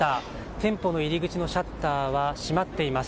店舗の入り口のシャッターは閉まっています。